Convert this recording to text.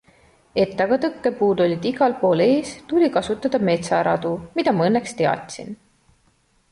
Et aga tõkkepuud olid igal pool ees, tuli kasutada metsaradu, mida ma õnneks teadsin.